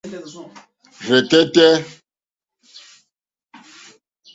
Rzɛ̀kɛ́tɛ́.